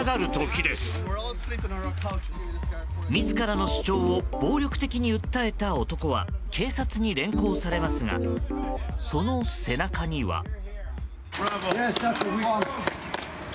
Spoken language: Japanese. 自らの主張を暴力的に訴えた男は警察に連行されますがその背中には。